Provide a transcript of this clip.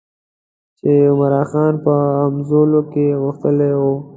چې عمرا خان په همزولو کې غښتلی وو.